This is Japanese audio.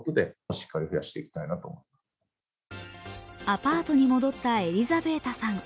アパートに戻ったエリザベータさん。